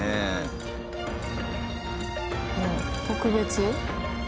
特別？